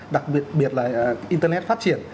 đặc biệt là internet phát triển